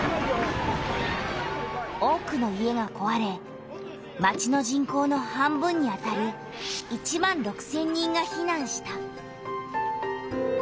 多くの家がこわれ町の人口の半分にあたる１万６千人がひなんした。